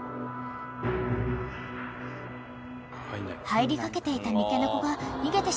［入りかけていた三毛猫が逃げてしまった］